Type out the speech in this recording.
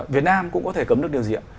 việt nam cũng có thể cấm được điều gì ạ